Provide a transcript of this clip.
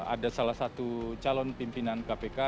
ada salah satu calon pimpinan kpk